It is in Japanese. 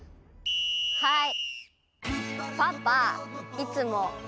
はい。